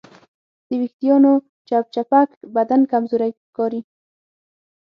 د وېښتیانو چپچپک بدن کمزوری ښکاري.